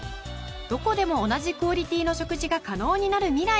どこでも同じクオリティーの食事が可能になる未来が。